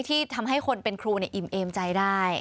ที่ทำให้คนเป็นครูอิ่มเอมใจได้